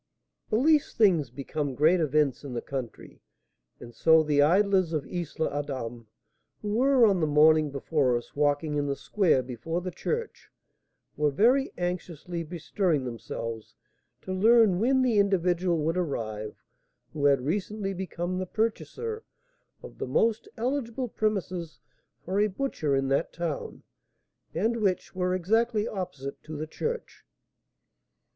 The least things become great events in the country; and so the idlers of Isle Adam, who were on the morning before us walking in the square before the church, were very anxiously bestirring themselves to learn when the individual would arrive who had recently become the purchaser of the most eligible premises for a butcher in that town, and which were exactly opposite to the church.